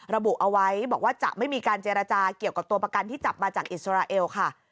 ระบุเอาไว้บอกว่าจะไม่มีการเจรจาเกี่ยวกับตัวประกันที่จับมาจากอิสราเอลค่ะ